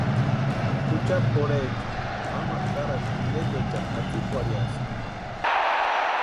Jucha pʼorhecha mamaru jarhati pʼintekwaechani jatsikwarhiaska.